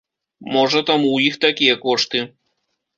Можа, таму ў іх такія кошты.